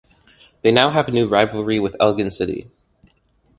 They now have a new rivalry with Elgin City.